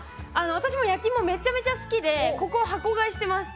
私も焼き芋めちゃめちゃ好きでここ、箱買いしてます。